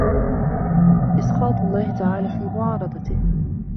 إسْخَاطُ اللَّهِ تَعَالَى فِي مُعَارَضَتِهِ